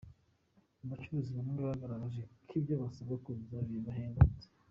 Abacuruzi bamwe bagaragaje ko ibyo basabwa kuzuza bibahenze.